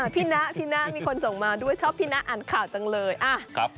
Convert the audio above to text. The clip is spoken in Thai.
พี่นะพี่นะมีคนส่งมาด้วยชอบพี่นะอ่านข่าวจังเลย